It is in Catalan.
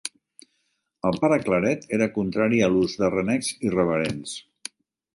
El Pare Claret era contrari a l'ús de renecs irreverents.